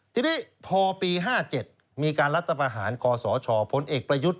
ทีนี้พอปี๕๗มีการรัฐประหารกศชพลเอกประยุทธ์